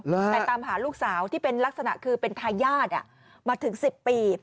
แต่ตามหาลูกสาวที่เป็นลักษณะคือเป็นทายาทมาถึง๑๐ปี